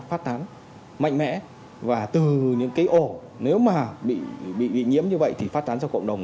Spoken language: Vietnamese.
phát tán mạnh mẽ và từ những cái ổ nếu mà bị nhiễm như vậy thì phát tán trong cộng đồng